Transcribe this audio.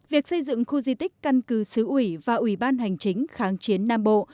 việc xây dựng khu di tích căn cứ xứ ủy và ủy ban hành chính kháng chiến nam bộ